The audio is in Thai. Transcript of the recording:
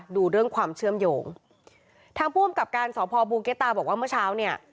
ดูเรื่องความเชื่อมโยงทางผู้อำกับการสอบพบูเกตาบอกว่าเมื่อเช้าเนี่ย